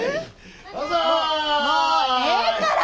もうええから！